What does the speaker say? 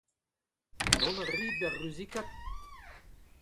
Dont a rit da ruzikat ?